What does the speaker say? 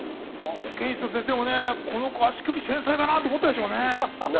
保健室の先生も、この子は足首、繊細だなぁって思ったでしょうね。